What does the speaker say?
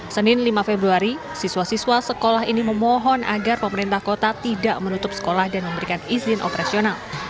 senin lima februari siswa siswa sekolah ini memohon agar pemerintah kota tidak menutup sekolah dan memberikan izin operasional